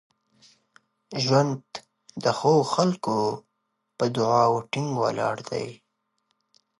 ژوند د ښو خلکو په دعاوو ټینګ ولاړ وي.